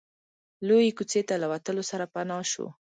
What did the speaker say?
لويې کوڅې ته له وتلو سره پناه شو.